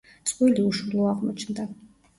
წყვილი უშვილო აღმოჩნდა.